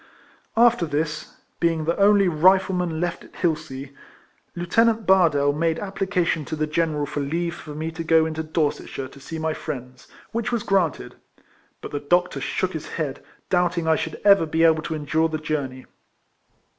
After this, being the only Rifleman left at llilsea, Lieutenant Bardell made application to the General for leave for me to go into Dorsetshire to see my friends, which was granted; but the doctor shook his head, doubting I should ever be able to endure the journey.